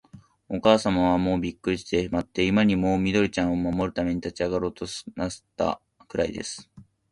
おかあさまは、もうびっくりしてしまって、今にも、緑ちゃんを守るために立ちあがろうとなすったくらいです。